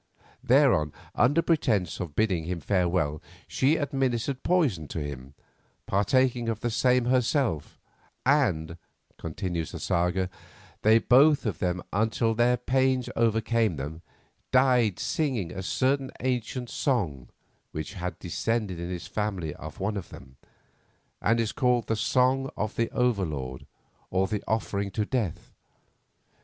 Thereon, under pretence of bidding him farewell, she administered poison to him, partaking of the same herself; "and," continues the saga, "they both of them, until their pains overcame them, died singing a certain ancient song which had descended in the family of one of them, and is called the Song of the Over Lord, or the Offering to Death.